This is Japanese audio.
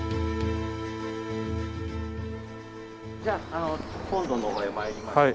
じゃあ本堂の方へ参りましょう。